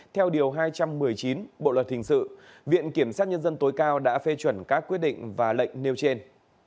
theo điều hai trăm một mươi chín bộ luật hình sự viện kiểm sát nhân dân tối cao đã phê chuẩn các quyết định và lệnh nêu trên